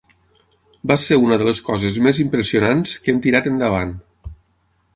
Va ser una de les coses més impressionants que hem tirat endavant.